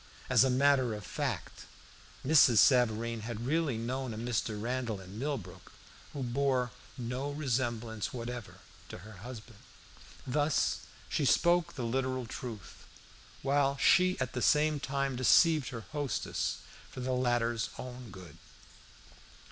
As matter of fact, Mrs. Savareen had really known a Mr. Randall in Millbrook, who bore no resemblance whatever to her husband. Thus, she spoke the literal truth, while she at the same time deceived her hostess for the latter's own good.